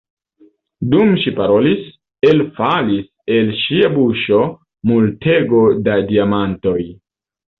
Dum ŝi parolis, elfalis el ŝia buŝo multego da diamantoj.